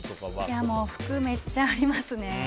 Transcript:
服めっちゃありますね。